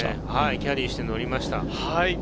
キャリーして乗りました。